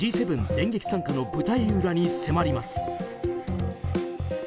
電撃参加の舞台裏に迫ります。